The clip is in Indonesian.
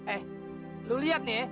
eh lu lihat